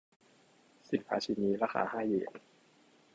สินค้าชิ้นนี้ราคาห้าเยน